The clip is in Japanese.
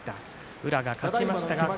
宇良が勝ちました。